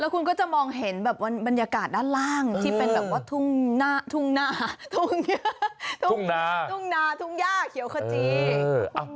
แล้วคุณก็จะมองเห็นบรรยากาศด้านล่างที่เป็นแบบว่าทุ่งนาทุ่งย่าเขียวขจิ